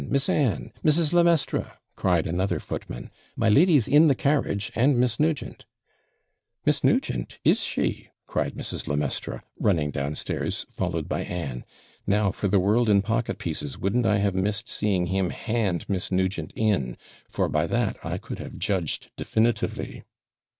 Miss Anne! Mrs. le Maistre!' cried another footman; 'my lady's in the carriage, and Miss Nugent.' 'Miss Nugent! is she?' cried Mrs. le Maistre, running downstairs, followed by Anne. 'Now, for the world in pocket pieces wouldn't I have missed seeing him hand Miss Nugent in; for by that I could have judged definitively.'